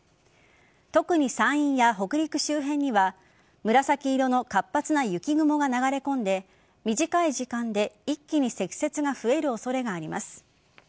特に、山陰や北陸周辺には紫色の活発な雪雲が流れ込んで短い時間で一気に積雪が増える恐れがあります。